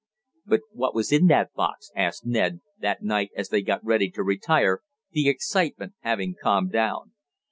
"But what was in that box?" asked Ned, that night as they got ready to retire, the excitement having calmed down.